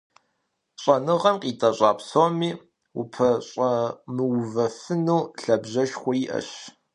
ЩӀэныгъэм къитӀэщӀа псоми упэщӀэмыувэфыну, лъабжьэшхуэ яӀэщ.